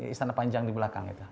istana panjang di belakang